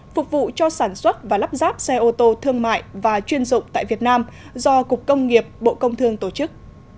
phục vụ cho sản xuất và lắp ráp xe ô tô thương mại và chuyên dụng tại việt nam do cục công nghiệp bộ công thương tổ chức